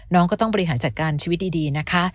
น้องก็ต้องบริหารจัดการชีวิตดีนะคะ